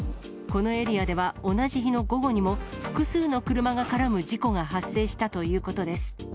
このエリアでは、同じ日の午後にも複数の車が絡む事故が発生したということです。